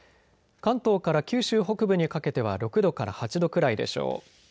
関東から九州北部にかけては６度から８度くらいでしょう。